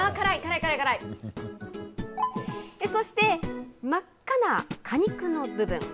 そして、真っ赤な果肉の部分。